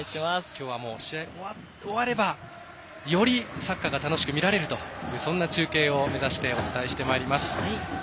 今日は試合が終わればよりサッカーが楽しく見られるというそんな中継を目指してお伝えしてまいります。